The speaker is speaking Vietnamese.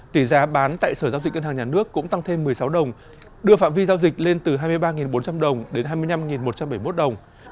tỷ giá bán tại sở giao dịch ngân hàng nhà nước cũng tăng thêm một mươi sáu đồng đưa phạm vi giao dịch lên từ hai mươi ba bốn trăm linh đồng đến hai mươi năm một trăm bảy mươi một đồng